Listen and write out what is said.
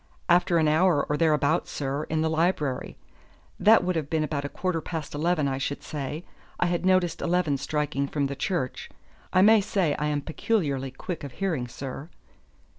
"After an hour or thereabouts, sir, in the library. That would have been about a quarter past eleven, I should say; I had noticed eleven striking from the church. I may say I am peculiarly quick of hearing, sir."